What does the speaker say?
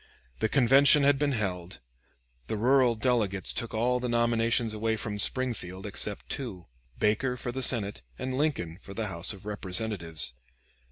The convention had been held; the rural delegates took all the nominations away from Springfield except two, Baker for the Senate, and Lincoln for the House of Representatives.